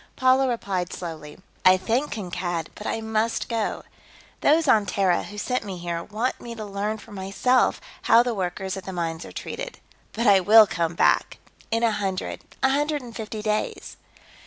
Paula replied slowly: "I thank Kankad, but I must go. Those on Terra who sent me here want me to learn for myself how the workers at the mines are treated. But I will come back in a hundred, a hundred and fifty days."